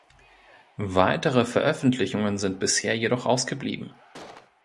Weitere Veröffentlichungen sind bisher jedoch ausgeblieben.